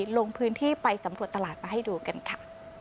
ลงพื้นที่ไปสำรวจตลาดมาให้ดูกันค่ะ